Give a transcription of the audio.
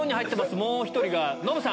もう１人がノブさん。